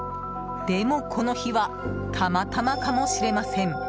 でも、この日はたまたまかもしれません。